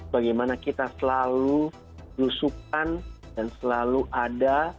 bagaimana kita selalu berusukan dan selalu ada